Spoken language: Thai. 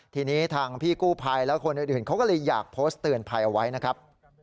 ทีนี้ทางพี่กู้ภัยและคนอื่นเขาก็เลยอยากโพสต์เตือนภัยเอาไว้นะครับ